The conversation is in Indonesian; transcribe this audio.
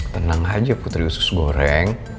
tenang aja putri usus goreng